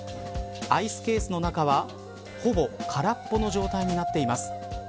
アイスケースの中はほぼ空っぽの状態になっています。